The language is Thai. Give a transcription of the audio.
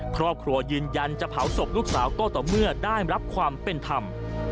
ครอบครัวยืนยันจะเผาศพลูกสาวก็ต่อเมื่อได้รับความเป็นธรรม